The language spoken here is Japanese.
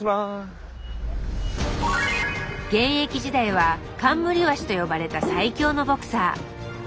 現役時代は「カンムリワシ」と呼ばれた最強のボクサー。